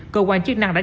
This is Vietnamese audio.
cơ quan chức năng bảo vệ